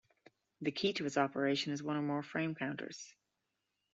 The key to its operation is one or more frame counters.